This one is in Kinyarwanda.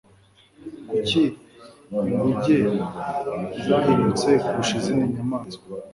kuki inguge zahindutse kurusha izindi nyamaswa